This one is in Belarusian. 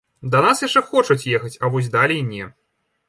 Да нас яшчэ хочуць ехаць, а вось далей не.